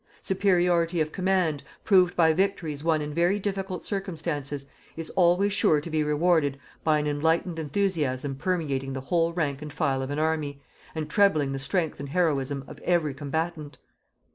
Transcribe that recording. Superiority of command, proved by victories won in very difficult circumstances, is always sure to be rewarded by an enlightened enthusiasm permeating the whole rank and file of an army, and trebling the strength and heroism of every combatant.